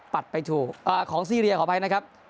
ไปถูกของซีเรียขออภัยนะครับ